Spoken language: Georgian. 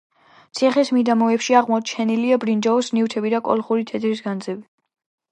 ციხის მიდამოებში აღმოჩენილია ბრინჯაოს ნივთები და კოლხური თეთრის განძები.